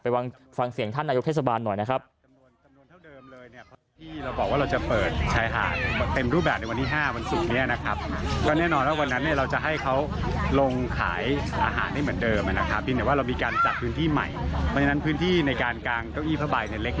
ฟังเสียงท่านนายกเทศบาลหน่อยนะครับ